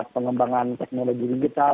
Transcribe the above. pengembangan teknologi digital